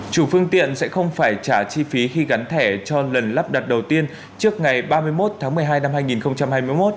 chủ phương tiện sẽ không phải trả chi phí khi gắn thẻ cho lần lắp đặt đầu tiên trước ngày ba mươi một tháng một mươi hai năm hai nghìn hai mươi một